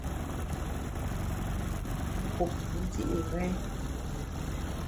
Nkup ndi’ ghèn.